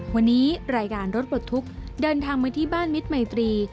วันนี้รายการรถปลดทุกข์เดินทางมาที่บ้านมิตรมัยตรี